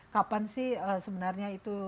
kapan sih sebenarnya itu